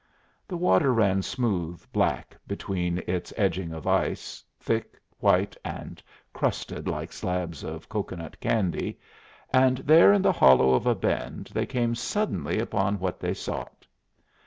The water ran smooth black between its edging of ice, thick, white, and crusted like slabs of cocoanut candy, and there in the hollow of a bend they came suddenly upon what they sought.